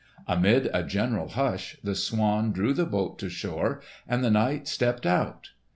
Amid a general hush, the swan drew the boat to shore, and the knight stepped out.